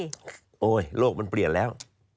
โยโลกมันเปลี่ยนแล้ว